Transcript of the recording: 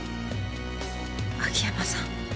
秋山さん